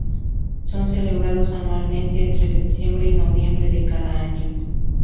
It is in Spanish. Son celebrados anualmente entre septiembre y noviembre de cada año.